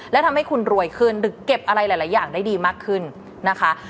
และทำให้คุณรวยขึ้นหรือเก็บอะไรหลายอย่างได้ดีมากขึ้นนะคะ